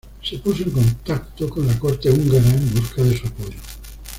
Se puso en contacto con la corte húngara, en busca de su apoyo.